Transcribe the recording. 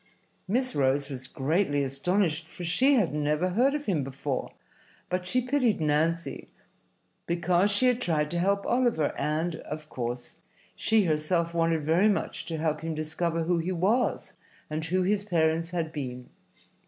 Miss Rose was greatly astonished, for she had never heard of him before, but she pitied Nancy because she had tried to help Oliver, and, of course, she herself wanted very much to help him discover who he was and who his parents had been.